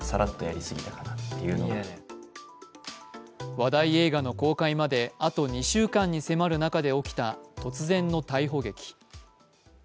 話題映画の公開まであと２週間に迫る中で起きた突然の逮捕劇。